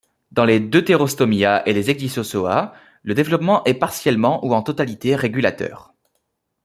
Dans les Deuterostomia et les Ecdysozoa, le développement est partiellement ou en totalité régulateur.